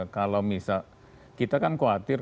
kalau misal kita kan khawatir